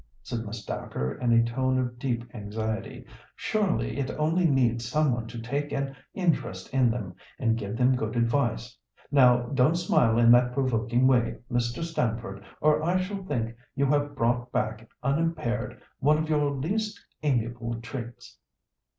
said Miss Dacre, in a tone of deep anxiety. "Surely it only needs some one to take an interest in them, and give them good advice. Now, don't smile in that provoking way, Mr. Stamford, or I shall think you have brought back unimpaired one of your least amiable traits."